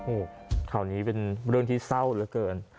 โอ้โหข่าวนี้เป็นเรื่องที่เศร้าเหลือเกิน